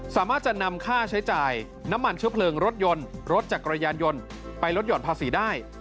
สามารถจะนำค่าใช้จ่ายน้ำมันเชื้อเพลิงรถยนต์รถจักรยานยนต์ไปลดห่อนภาษีได้